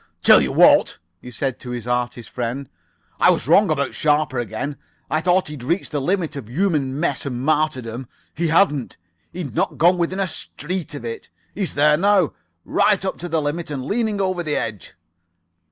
"Tell you what," he said to his artist friend. "I was wrong about Sharper again. I thought he'd reached the limit of human mess and martyrdom. He hadn't. He'd not got within a street of it. He's there now. Right up to the limit and leaning over the edge.